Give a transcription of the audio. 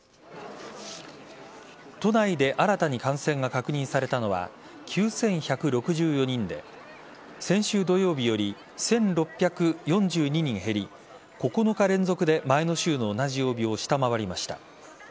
都内で新たに感染が確認されたのは９１６４人で先週土曜日より１６４２人減り９日連続で前の週の同じ曜日を下回りました。